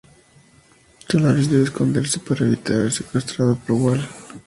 Solaris debe esconderse para evitar ser secuestrado por Wall.